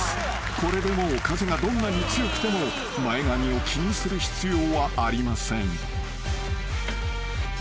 ［これでもう風がどんなに強くても前髪を気にする必要はありません］